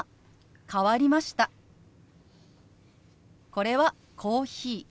これは「コーヒー」。